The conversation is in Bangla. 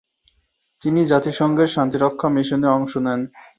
তিনি জাতিসংঘের শান্তিরক্ষা মিশনে অংশ নেন।